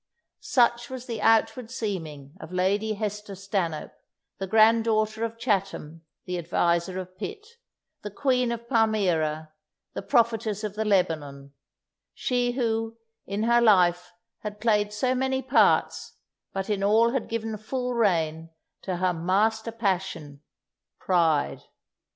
Such was the outward seeming of Lady Hester Stanhope, the grand daughter of Chatham, the adviser of Pitt, the Queen of Palmyra, the prophetess of the Lebanon she who, in her life, had played so many parts, but in all had given full rein to her master passion, pride.